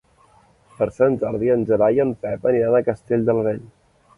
Per Sant Jordi en Gerai i en Pep aniran a Castell de l'Areny.